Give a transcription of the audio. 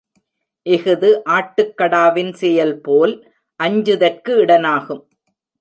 இஃது ஆட்டுக்கடாவின் செயல்போல் அஞ்சுதற்கு இடனாகும்.